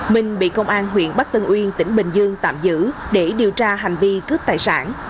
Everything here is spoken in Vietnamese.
minh bị công an huyện bắc tân uyên tỉnh bình dương tạm giữ để điều tra hành vi cướp tài sản